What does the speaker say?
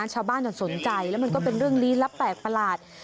ชาวบ้านจะสนใจแล้วมันก็เป็นเรื่องลี้ลับแปลกประหลาด